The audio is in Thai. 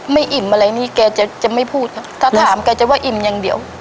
อิ่มอะไรนี่แกจะจะไม่พูดค่ะถ้าถามแกจะว่าอิ่มอย่างเดียว